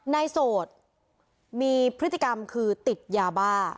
โสดมีพฤติกรรมคือติดยาบ้า